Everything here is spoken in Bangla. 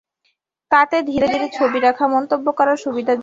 তাতে ধীরে ধীরে ছবি রাখা, মন্তব্য করার সুবিধা যোগ হতে থাকে।